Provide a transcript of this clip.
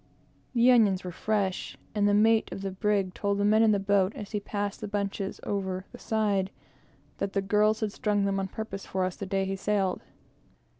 The onions were genuine and fresh; and the mate of the brig told the men in the boat, as he passed the bunches over the side, that the girls had strung them on purpose for us the day he sailed.